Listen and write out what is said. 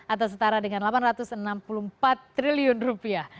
atau setara dengan delapan ratus enam puluh empat triliun rupiah